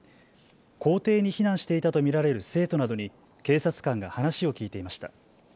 校庭に避難していたと見られる生徒などに警察官が話を聞いていました。